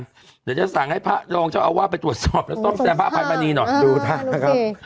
เดี๋ยวจะสั่งให้พระรองเจ้าอาวาสไปตรวจสอบแล้วซ่อมแซมพระอภัยมณีหน่อยดูท่านนะครับ